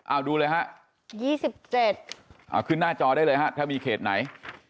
เอาดูเลยฮะ๒๗เอาขึ้นหน้าจอได้เลยฮะถ้ามีเขตไหน